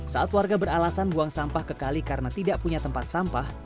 saat warga beralasan buang sampah ke kali karena tidak punya tempat sampah